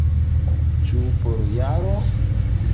Ĉu por jaro?